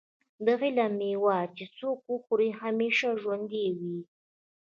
د علم مېوه چې څوک وخوري همیشه ژوندی وي.